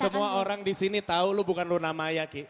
semua orang disini tahu lu bukan luna maya ki